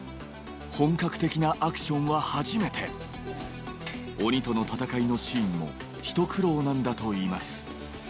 本格的なアクションは初めて鬼との戦いのシーンもひと苦労なんだといいます